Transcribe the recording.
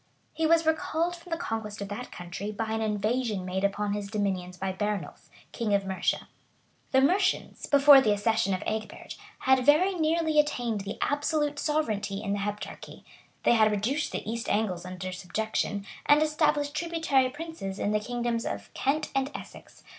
[*] He was recalled from the conquest of that country by an invasion made upon his dominions by Bernulf, king of Mercia. The Mercians, before the accession of Egbert, had very nearly attained the absolute sovereignty in the Heptarchy: they had reduced the East Angles under subjection, and established tributary princes in the kingdoms of Kent and Essex.